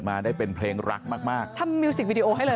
ไม่อยากร้องขอจะไม่รอดเธอยิ่งต่อไป